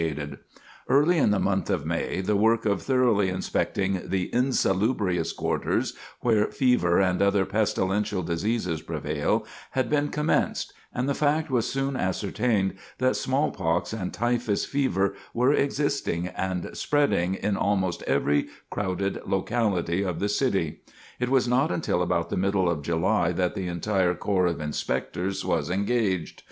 [Sidenote: Period of the Inspection] Early in the month of May the work of thoroughly inspecting the insalubrious quarters, where fever and other pestilential diseases prevail, had been commenced, and the fact was soon ascertained that smallpox and typhus fever were existing and spreading in almost every crowded locality of the city. It was not until about the middle of July that the entire corps of Inspectors was engaged.